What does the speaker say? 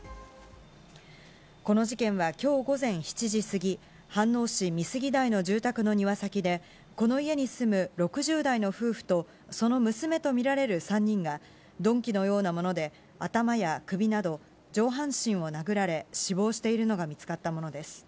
この事件はきょう午前７時過ぎ、飯能市美杉台の住宅の庭先で、この家に住む６０代の夫婦と、その娘と見られる３人が、鈍器のようなもので頭や首など上半身を殴られ、死亡しているのが見つかったものです。